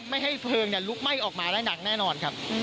ไม่ให้เผิงลุกไหม้ออกมาแน่น่านอนครับ